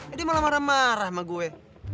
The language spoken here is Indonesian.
eh dia malah marah marah sama gue